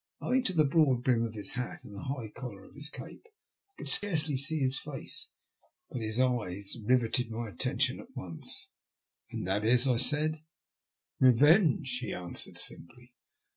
Owing to the broad brim of his hat, and the high collar of his cape, I could scarcely see his face. But his eyes rivetted my attention at once. " And that is ?" I said. Eevenge," he answered, simply.